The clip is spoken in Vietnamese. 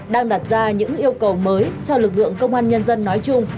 đang đặt ra những yêu cầu mới cho lực lượng công an nhân dân nói chung